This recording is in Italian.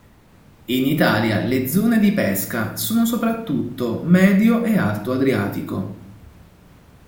In Italia le zone di pesca sono soprattutto medio e alto Adriatico.